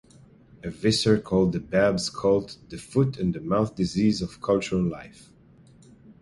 A vicar called the Babs cult the "foot and mouth disease of cultural life".